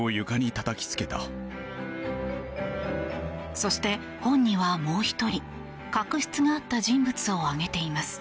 そして本には、もう１人確執があった人物を挙げています。